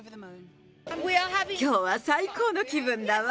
きょうは最高の気分だわ。